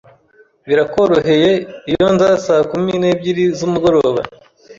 Birakworoheye iyo nza saa kumi n'ebyiri z'umugoroba?